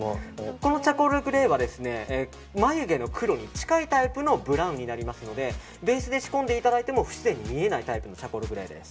このチャコールグレーは眉毛の黒に近いタイプのブラウンになりますのでベースで仕込んでいただいても不自然に見えないタイプです。